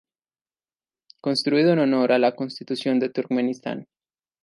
Construido en honor a la Constitución de Turkmenistán.